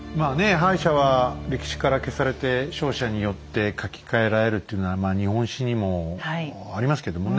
敗者は歴史から消されて勝者によって書き換えられるっていうのはまあ日本史にもありますけどもね